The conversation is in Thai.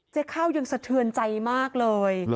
ข้าวยังสะเทือนใจมากเลย